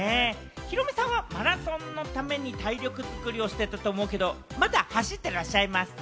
ヒロミさんはマラソンのために体力作りをしていたと思うけれども、まだ走ってらっしゃいますか？